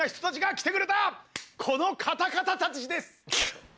この方々たちです。